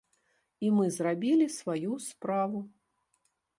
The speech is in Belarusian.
І мы зрабілі сваю справу.